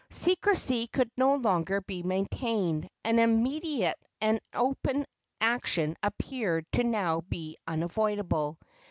Secrecy could no longer be maintained, and immediate and open action appeared to be now unavoidable.